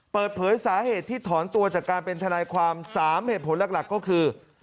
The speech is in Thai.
เปิดเผยสาเหตุที่ถอนตัวจากการเป็นทนายความ๓เหตุผลหลักก็คือ